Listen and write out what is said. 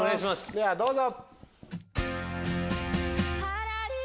ではどうぞ。